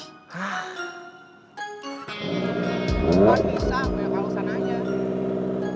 kan bisa gak ada alasan aja